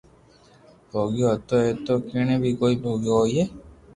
ڀوگيو ھتو ايتو ڪيڻي ڀي ڪوئي ڀوگيو ھوئي